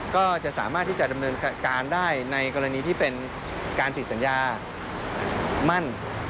ก็จะสามารถที่จะดำเนินการได้ในกรณีที่เป็นการผิดสัญญามั่น